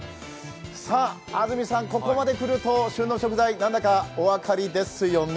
さあ、安住さん、ここまで来ると旬の食材、何か分かりますよね？